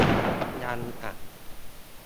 ยังอ่ะ